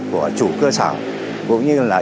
của chủ cơ sở cũng như là